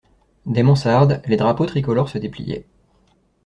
Des mansardes, les drapeaux tricolores se dépliaient.